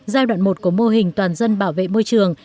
giai đoạn một của mô hình toàn dân bảo vệ môi trường